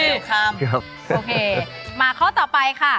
โอเคมาข้อต่อไปค่ะ